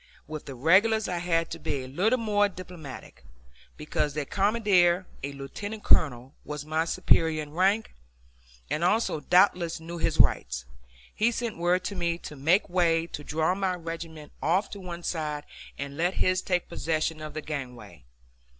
With the regulars I had to be a little more diplomatic, because their commander, a lieutenant colonel, was my superior in rank, and also doubtless knew his rights. He sent word to me to make way, to draw my regiment off to one side, and let his take possession of the gangway.